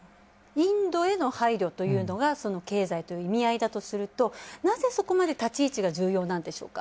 インドへの配慮というのがその経済という意味合いだとするとなぜ、そこまで立ち位置が重要なんでしょうか。